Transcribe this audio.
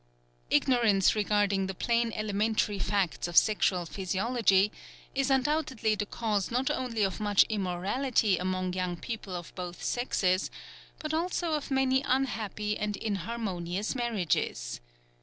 Ignorance regarding the plain elementary facts of sexual physiology is undoubtedly the cause not only of much immorality among young people of both sexes, but also of many unhappy and inharmonious marriages.